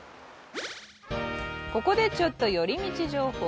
ここでちょっと寄り道情報。